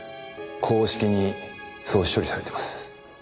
公式にそう処理されています。